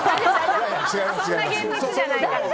そんな厳密じゃないから。